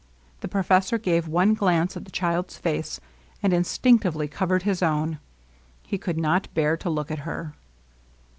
The professor gave one glance at the child's face, and instinctively covered his own. He could not bear to look at her.